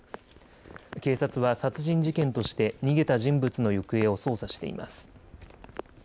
警察は殺人事件として逃げた人物の行方を捜査しています。